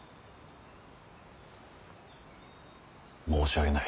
申し訳ない。